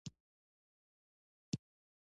آیا د حقابې موضوع تل بحث نه کیږي؟